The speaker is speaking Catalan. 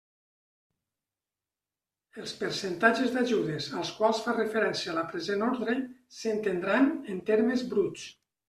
Els percentatges d'ajudes als quals fa referència la present ordre s'entendran en termes bruts.